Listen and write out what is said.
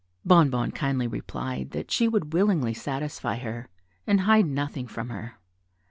Bonnebonne kindly replied that she would willingly satisfy her, and hide nothing from her.